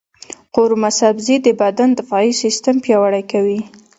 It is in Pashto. قورمه سبزي د بدن دفاعي سیستم پیاوړی کوي.